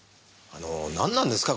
あの何なんですか？